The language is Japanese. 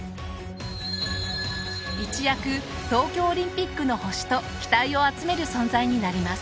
一躍「東京オリンピックの星」と期待を集める存在になります。